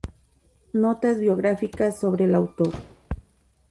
Notas biográficas sobre el autor.